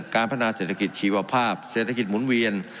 พนาเศรษฐกิจชีวภาพเศรษฐกิจหมุนเวียน